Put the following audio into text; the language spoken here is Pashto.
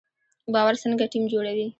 باور څنګه ټیم جوړوي؟